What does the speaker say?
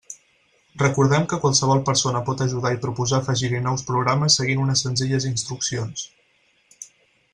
Recordem que qualsevol persona pot ajudar i proposar afegir-hi nous programes seguint unes senzilles instruccions.